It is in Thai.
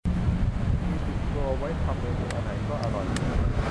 มีติดครัวไว้ทำเมนูไหนก็อร่อย